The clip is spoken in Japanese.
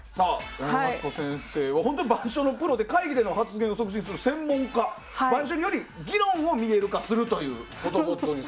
本当に板書のプロで会議での発言を促進する専門家板書より議論を見える化すると。